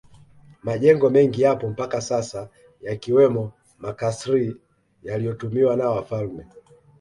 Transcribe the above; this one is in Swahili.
Majengo mengi yapo mpaka sasa yakiwemo makasri yaliyotumiwa na wafalme